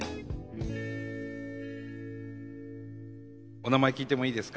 お名前聞いてもいいですか？